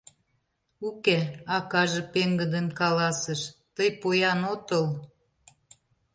— Уке, — акаже пеҥгыдын каласыш, — тый поян отыл.